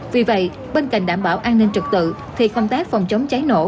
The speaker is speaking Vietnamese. vì vậy bên cạnh đảm bảo an ninh trật tự thì công tác vòng chống cháy nổ